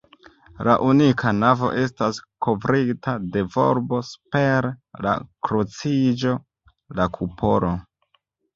La unika navo estas kovrita de volbo; super la kruciĝo, la kupolo.